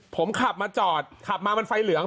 ผมขับมาจอดขับมามันไฟเหลือง